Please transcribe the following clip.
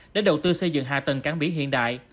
để đầu tư xây dựng hạ tầng cảng bỉ hiện đại